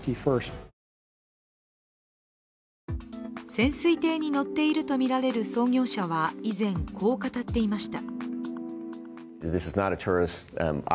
潜水艇に乗っているとみられる創業者は以前、こう語っていました。